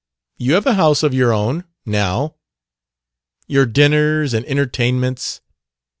"You have a house of your own, now." "Your dinners and entertainments...."